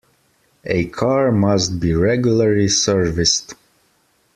A car must be regularly serviced.